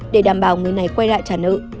để đảm bảo người này quay lại trả nợ